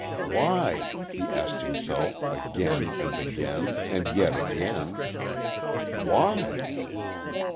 "Why?" he asked himself, again and again, and yet again. "Why?"